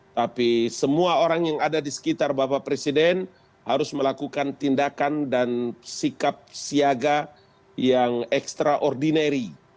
tapi semua orang yang ada di sekitar bapak presiden harus melakukan tindakan dan sikap siaga yang ekstraordinari